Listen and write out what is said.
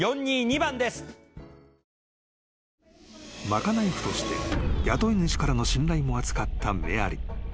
［賄い婦として雇い主からの信頼も厚かったメアリー］